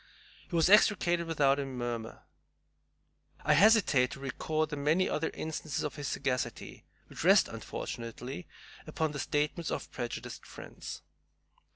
He was extricated without a murmur. I hesitate to record the many other instances of his sagacity, which rest, unfortunately, upon the statements of prejudiced friends.